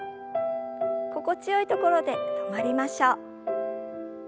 心地よいところで止まりましょう。